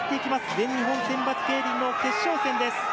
全日本選抜競輪の決勝戦です。